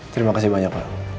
terima kasih banyak pak